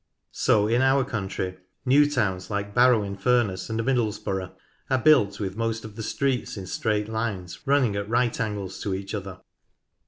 So, in our country, new towns like Barrow in Furness and Middlesbrough are built with most of the streets in straight lines running at right angles to ea< h other.